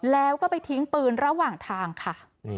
แล้วก็ไปทิ้งปืนระหว่างทางค่ะ